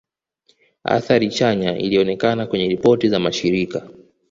Athari chanya ilionekana kwenye ripoti za mashirika